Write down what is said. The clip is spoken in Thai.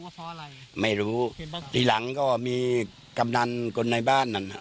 เพราะอะไรไม่รู้ทีหลังก็มีกำนันคนในบ้านนั้น